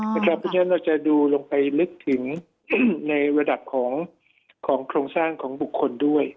เพราะฉะนั้นเราจะดูลงไปลึกถึงในระดับของโครงสร้างของบุคคลด้วย